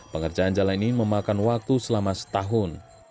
pengerjaan jalan ini memakan waktu selama setahun